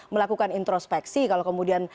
melakukan introspeksi kalau kemudian